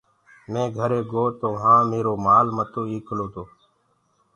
مينٚ گھري گو تو وهآنٚ ميرو مآل متو ايڪلو تو۔